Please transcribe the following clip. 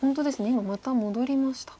今また戻りました。